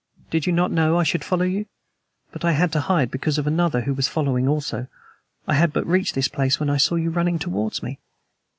"Did you not know I should follow you? But I had to hide because of another who was following also. I had but just reached this place when I saw you running towards me."